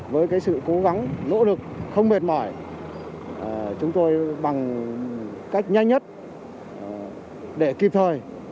với sự cố gắng nỗ lực không mệt mỏi chúng tôi bằng cách nhanh nhất để kịp thời